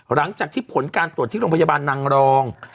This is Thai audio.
หลังจากที่ผลการตรวจที่โรงพยาบาลนางรอง